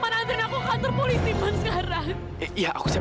apa bener tuan prabu itu seorang pembunuh